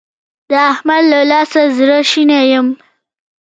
د احمد له لاسه زړه شنی يم.